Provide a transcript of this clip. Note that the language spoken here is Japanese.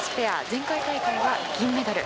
前回大会は銀メダル。